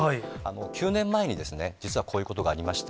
９年前に実はこういうことがありました。